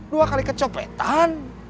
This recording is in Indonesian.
dua kali kecopetan